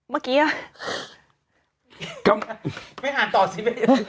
เมื่อกี้อะไม่อ่านต่อสิ